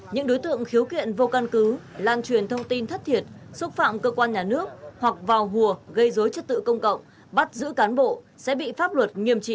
những đối tượng khiếu kiện vô căn cứ lan truyền thông tin thất thiệt xúc phạm cơ quan nhà nước hoặc vào hùa gây dối chất tự công cộng bắt giữ cán bộ sẽ bị pháp luật nghiêm trị